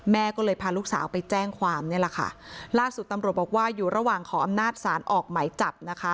แม่ก็เลยพาลูกสาวไปแจ้งความนี่แหละค่ะล่าสุดตำรวจบอกว่าอยู่ระหว่างขออำนาจศาลออกไหมจับนะคะ